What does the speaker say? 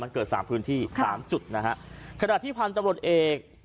มันเกิดสามพื้นที่สามจุดนะฮะขณะที่พันธุ์ตำรวจเอก